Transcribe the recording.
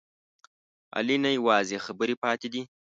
علي ته یوازې خبرې پاتې دي.